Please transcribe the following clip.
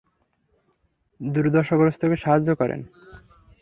দুর্দশাগ্রস্তকে সাহায্য করেন।